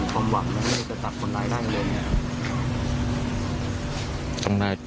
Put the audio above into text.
ต้องรับก่อนทานด้านตอนนี้เป็น